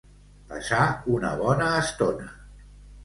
Passar una bona estona.